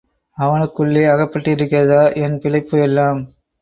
அவனுக்குள்ளே அகப்பட்டிருக்கிறதா என் பிழைப்பு எல்லாம்?